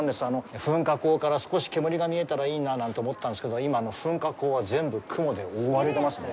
噴火口から少し煙が見えたらいいななんて思ったんですけど、今、噴火口は、全部雲で覆われてますね。